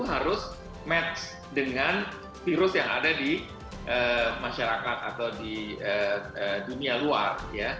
harus match dengan virus yang ada di masyarakat atau di dunia luar